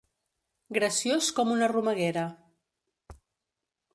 Graciós com una romeguera.